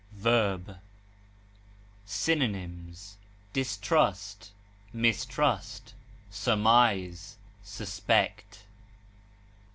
_ Synonyms: distrust, mistrust, surmise, suspect.